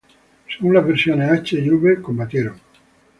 Según las versiones "H" y "U", combatieron.